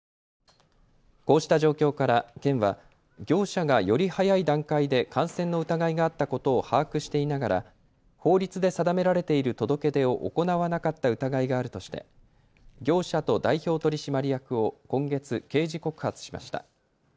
こうした状況から県は業者がより早い段階で感染の疑いがあったことを把握していながら法律で定められている届け出を行わなかった疑いがあるとして業者と代表取締役を今月、刑事告発しました。